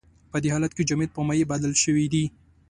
په دې حالت کې جامد په مایع بدل شوی دی.